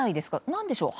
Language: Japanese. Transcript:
何でしょう。